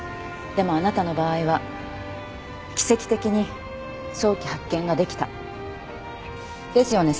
でもあなたの場合は奇跡的に早期発見ができた。ですよね？